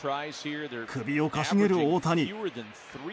首をかしげる大谷。